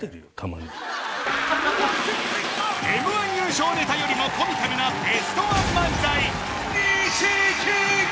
Ｍ−１優勝ネタよりもコミカルなベストワン漫才